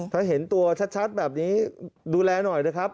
ถ้าเห็นตัวชัดแบบนี้ดูแลหน่อยนะครับ